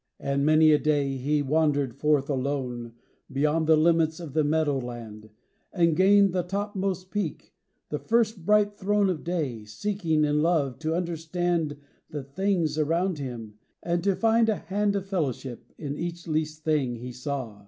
V. And many a day he wandered forth alone, Beyond the limits of the meadow land, And gained the topmost peak, the first bright throne Of day, seeking in love to understand The things around him, and to find a hand Of fellowship in each least thing he saw.